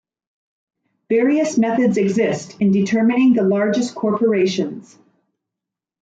Various methods exist in determining the largest corporations.